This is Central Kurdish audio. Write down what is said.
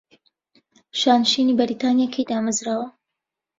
شانشینی بەریتانیا کەی دامەرزاوە؟